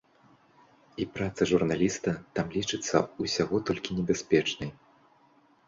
І праца журналіста там лічыцца ўсяго толькі небяспечнай.